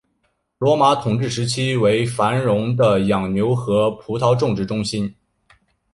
罗马统治时期为繁荣的养牛和葡萄种植中心。